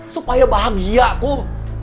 supaya bahagia kum